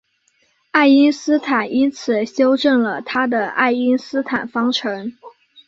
爱因斯坦因此修正了他的爱因斯坦方程。